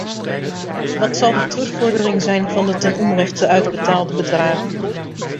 Wat zal de terugvordering zijn van de ten onrechte uitbetaalde bedragen?